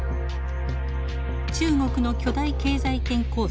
中国の巨大経済圏構想